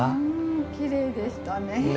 きれいでしたね。